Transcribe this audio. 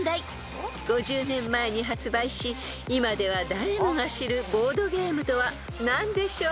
［５０年前に発売し今では誰もが知るボードゲームとは何でしょう？］